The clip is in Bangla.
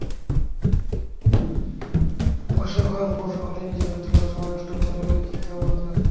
প্রশাসক হওয়ার পর সকলেই নিজের ব্যক্তিগত সময় নষ্ট করে উইকিতে অবদান রাখেন।